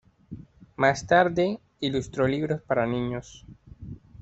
Más tarde, ilustró libros para niños.